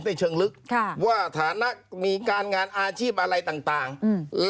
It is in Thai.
เชิงลึกค่ะว่าฐานะมีการงานอาชีพอะไรต่างต่างอืม